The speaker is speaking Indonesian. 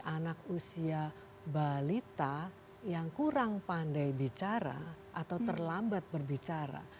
anak usia balita yang kurang pandai bicara atau terlambat berbicara